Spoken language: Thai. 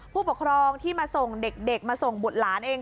ผู้ปกครองที่มาส่งเด็กมาส่งบุตรหลานเอง